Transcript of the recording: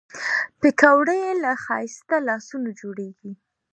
پکورې له ښایسته لاسونو جوړېږي